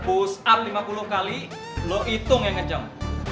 push up lima puluh kali lo hitung yang ngejam